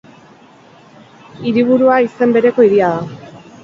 Hiriburua izen bereko hiria da.